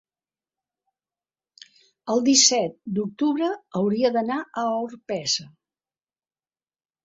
El disset d'octubre hauria d'anar a Orpesa.